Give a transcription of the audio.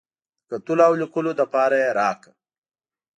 د کتلو او لیکلو لپاره یې راکړه.